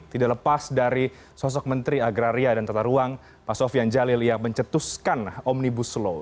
tidak lepas dari sosok menteri agraria dan tata ruang pak sofian jalil yang mencetuskan omnibus law